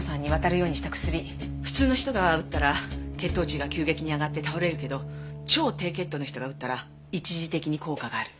普通の人が打ったら血糖値が急激に上がって倒れるけど超低血糖の人が打ったら一時的に効果がある。